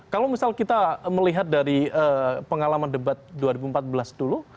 kalau misal kita melihat dari pengalaman debat dua ribu empat belas dulu